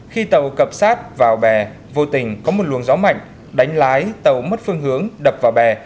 khi tàu cập sát vào bè vô tình có một luồng gió mạnh đánh lái tàu mất phương hướng đập vào bè